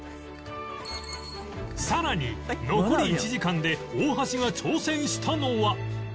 さらに残り１時間で大橋が挑戦したのは